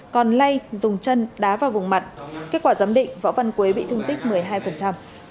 còn lay dùng chân đá vào vùng mặt kết quả giám định võ văn quế bị thương tích một mươi hai